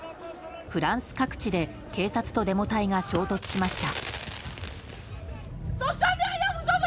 フランス各地で警察とデモ隊が衝突しました。